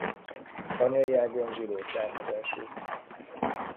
Anyai ágon zsidó származású.